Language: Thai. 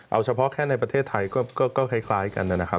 เอาเฉพาะแค่ในประเทศไทยก็คล้ายกันนะครับ